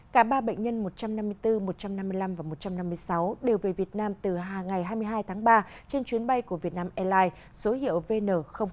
cả ba bệnh nhân một trăm năm mươi bốn một trăm năm mươi năm và một trăm năm mươi sáu đều về việt nam từ ngày hai mươi hai tháng ba trên chuyến bay của vietnam airlines số hiệu vn năm mươi